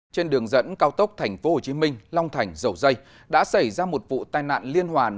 trên đường dẫn cao tốc thành phố hồ chí minh long thành dầu dây đã xảy ra một vụ tai nạn liên hoàn